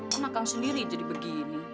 kan akang sendiri jadi begini